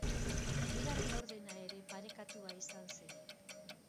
Bigarren laurdena ere parekatua izan zen.